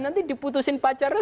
nanti diputusin pacarnya